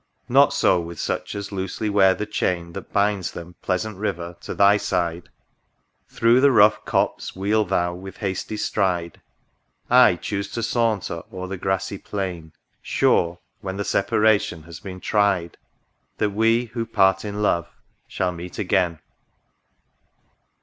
Not so with such as loosely wear the chain That binds them, pleasant River ! to thy side :— Through the rough copse wheel Thou with hasty stride, I choose to saunter o'er the grassy plain. Sure, when the separation has been tried. That we, who part in love, shall meet again.